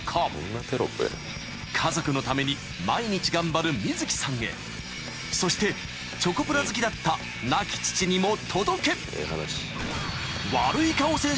［家族のために毎日頑張る泉貴さんへそしてチョコプラ好きだった亡き父にも届け！］